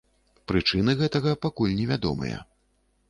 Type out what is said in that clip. Прычыны гэтага пакуль невядомыя.